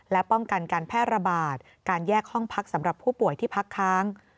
และป้องกันการแพร่ระบาดการแยกห้องพักสำหรับผู้ป่วยที่พักค้าง